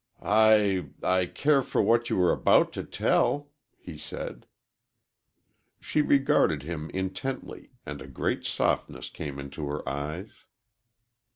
"I I care for what you are about to tell," he said. She regarded him intently, and a great softness came into her eyes.